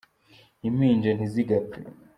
Impinja ntizigapfe.